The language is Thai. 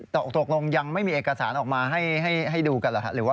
เพราะฉะนั้นตอบถามทางบริษัทที่รับตรงนี้ไปแล้ว